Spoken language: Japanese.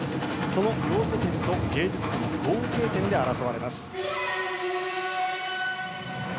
その要素点と芸術点の合計点で争われます。